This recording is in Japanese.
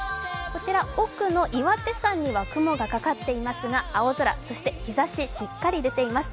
こちら、奥の岩手山には雲がかかっていますが青空、そして日差ししっかり出ています。